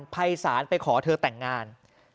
ภัยศาลไปขอเธอแต่งงาน